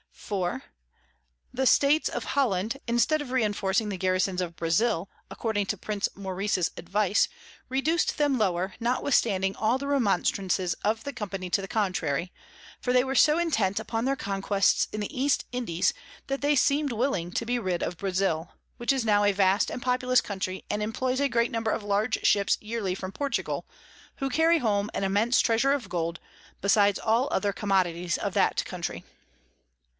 4. The States of Holland, instead of reinforcing the Garisons of Brazile, according to Prince Maurice's Advice, reduc'd them lower, notwithstanding all the Remonstrances of the Company to the contrary; for they were so intent upon their Conquests in the East Indies, that they seem'd willing to be rid of Brazile, which is now a vast and populous Country, and employs a great number of large Ships yearly from Portugal, who carry home an immense Treasure of Gold, besides all other Commodities of that Country.